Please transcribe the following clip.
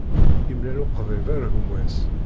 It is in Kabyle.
Imlal uqḍib ar gma-s.